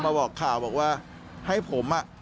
มาวักข่าวว่าให้ผมอะ